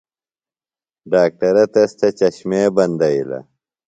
ڈاکٹرہ تس تھےۡ چشمے بندئِلہ۔